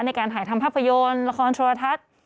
ในการถ่ายทำภาพยนตร์ละครโทรทัศน์